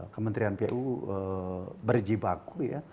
kementerian pu berjibaku ya